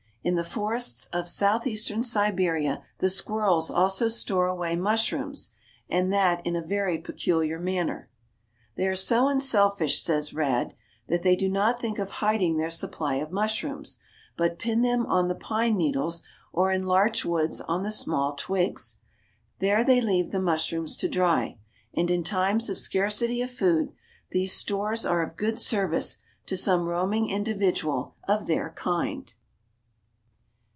In the forests of southeastern Siberia the squirrels also store away mushrooms, and that in a very peculiar manner. "They are so unselfish," says Radde, "that they do not think of hiding their supply of mushrooms, but pin them on the pine needles or in larch woods on the small twigs. There they leave the mushrooms to dry, and in times of scarcity of food these stores are of good service to some roaming individual of their kind."